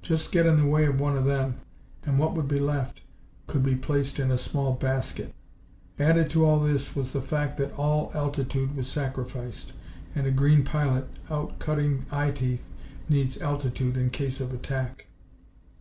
Just get in the way of one of them and what would be left could be placed in a small basket. Added to all this was the fact that all altitude was sacrificed, and a green pilot, out cutting eye teeth, needs altitude in case of attack.